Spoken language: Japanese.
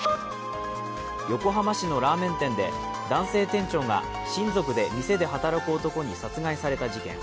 横浜市のラーメン店で男性店長が親族で店で働く男に殺害された事件。